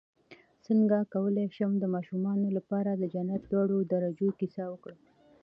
څنګه کولی شم د ماشومانو لپاره د جنت لوړو درجو کیسه وکړم